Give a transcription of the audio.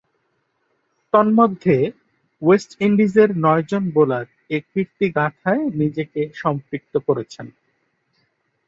তন্মধ্যে, ওয়েস্ট ইন্ডিজের নয়জন বোলার এ কীর্তিগাঁথায় নিজেকে সম্পৃক্ত করেছেন।